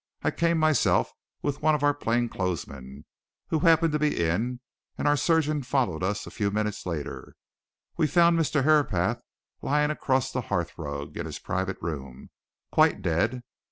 I came myself with one of our plain clothes men who happened to be in, and our surgeon followed us a few minutes later. We found Mr. Herapath lying across the hearthrug in his private room, quite dead.